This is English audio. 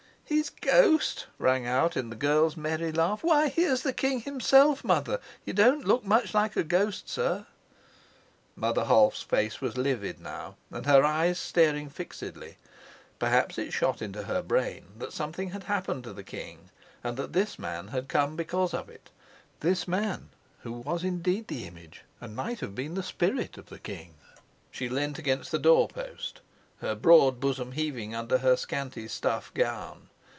"His ghost!" rang out in the girl's merry laugh. "Why, here's the king himself, mother. You don't look much like a ghost, sir." Mother Holf's face was livid now, and her eyes staring fixedly. Perhaps it shot into her brain that something had happened to the king, and that this man had come because of it this man who was indeed the image, and might have been the spirit, of the king. She leant against the door post, her broad bosom heaving under her scanty stuff gown.